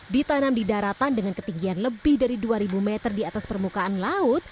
ditanam di daratan dengan ketinggian lebih dari dua ribu meter di atas permukaan laut